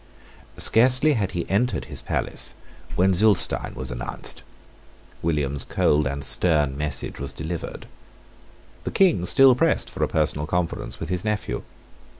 Scarcely had he entered his palace when Zulestein was announced. William's cold and stern message was delivered. The King still pressed for a personal conference with his nephew.